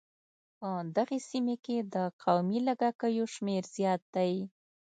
په دغې سيمې کې د قومي لږکيو شمېر زيات دی.